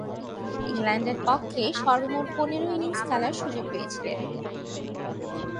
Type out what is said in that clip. ইংল্যান্ডের পক্ষে সর্বমোট পনের ইনিংস খেলার সুযোগ পেয়েছিলেন।